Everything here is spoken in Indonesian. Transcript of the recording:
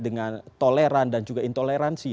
dengan toleran dan juga intoleransi